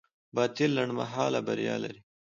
باطل لنډمهاله بریا لري.